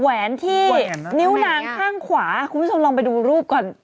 แหวนที่นิ้วนางข้างขวาคุณผู้ชมลองไปดูรูปก่อน